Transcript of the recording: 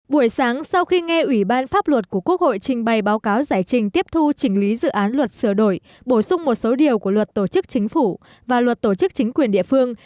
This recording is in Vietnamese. buổi sáng sau khi nghe ủy ban pháp luật của quốc hội trình bày báo cáo giải trình tiếp thu chỉnh lý dự án luật sửa đổi bổ sung một số điều của luật tổ chức chính phủ và luật tổ chức chính quyền địa phương